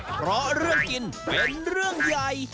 เพราะเรื่องกินเป็นเรื่องใหญ่